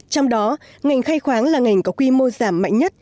trong đó ngành khai khoáng là ngành có quy mô giảm mạnh nhất